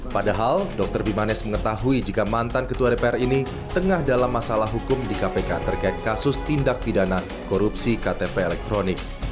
padahal dr bimanes mengetahui jika mantan ketua dpr ini tengah dalam masalah hukum di kpk terkait kasus tindak pidana korupsi ktp elektronik